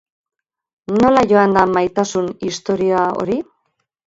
Nola joan da maitasun historia hori?